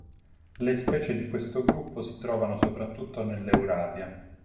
Le specie di questo gruppo si trovano soprattutto nell'Eurasia.